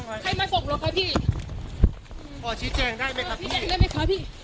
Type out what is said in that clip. ใครมาฝ่งเราคะพี่คอยชี้แจงได้ไหมครับพี่ได้ไหมคะพี่